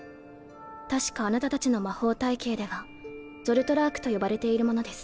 確かあなたたちの魔法体系では人を殺す魔法と呼ばれているものです。